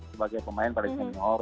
sebagai pemain paling junior